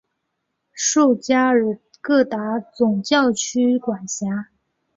受加尔各答总教区管辖。